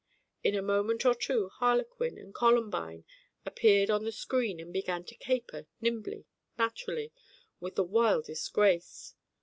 In a moment or two harlequin and columbine appeared on the screen and began to caper nimbly, naturally, with the wildest grace.